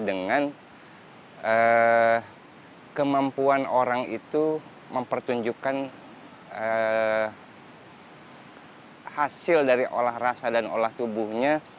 dengan kemampuan orang itu mempertunjukkan hasil dari olah rasa dan olah tubuhnya